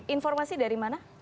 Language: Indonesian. informasi dari mana